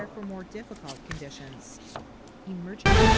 thưa quý vị